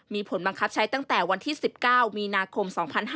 มีผลบังคับใช้ตั้งแต่วันที่๑๙มีนาคม๒๕๕๙